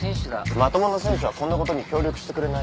まともな選手はこんなことに協力してくれない。